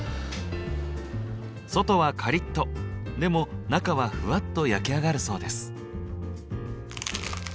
外はカリッとでも中はふわっと焼き上がるそうです。